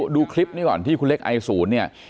ดูคลิปนี้ก่อนที่คุณเล็กไอศูนย์เนี่ย